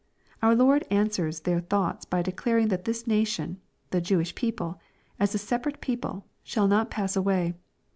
Our Lord answers their thoughts by declaring that this nation, the " Jewish people," as a separate people, shall not pass away.